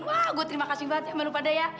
wah gue terima kasih banget ya mami lupa dayak